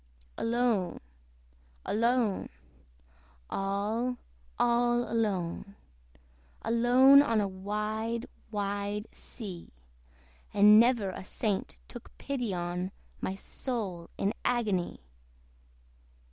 Alone, alone, all, all alone, Alone on a wide wide sea! And never a saint took pity on My soul in agony.